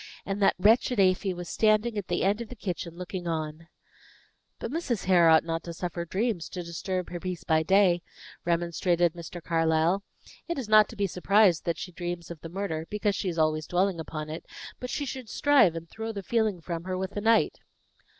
And that wretched Afy was standing at the end of the kitchen, looking on." "But Mrs. Hare ought not to suffer dreams to disturb her peace by day," remonstrated Mr. Carlyle. "It is not to be surprised at that she dreams of the murder, because she is always dwelling upon it; but she should strive and throw the feeling from her with the night."